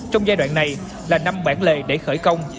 trong giai đoạn này là năm bản lề để khởi công